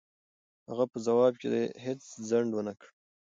هغه په ځواب کې هېڅ ځنډ و نه کړ.